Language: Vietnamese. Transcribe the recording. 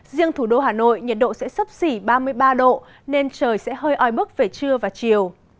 riêng thủ đô hà nội nhiệt độ sẽ sấp xỉ ba mươi ba độ nên trời sẽ hơi oi bức về trưa và chiều